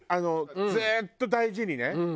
ずっと大事にね。